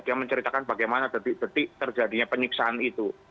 dia menceritakan bagaimana detik detik terjadinya penyiksaan itu